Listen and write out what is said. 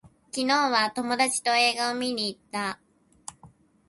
昨日は友達と映画を見に行った